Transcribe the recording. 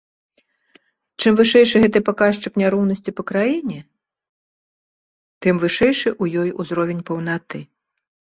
Чым вышэйшы гэты паказчык няроўнасці па краіне, тым вышэйшы ў ёй ўзровень паўнаты.